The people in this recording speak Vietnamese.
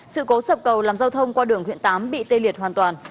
sự cố sập cầu làm giao thông qua đường huyện tám bị tê liệt hoàn toàn